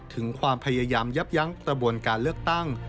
ถึงความพยายามยับยั้งกระบวนการเลือกตั้ง